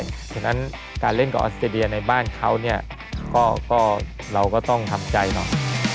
ฉะนั้นการเล่นกับออสเตรเลียในบ้านเขาเนี่ยก็เราก็ต้องทำใจหน่อย